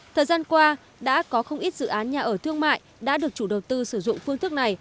thời gian qua đã có không ít dự án nhà ở thương mại đã được chủ đầu tư sử dụng phương thức này